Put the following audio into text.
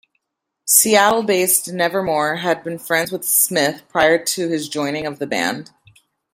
Seattle-based Nevermore had been friends with Smyth prior to his joining of the band.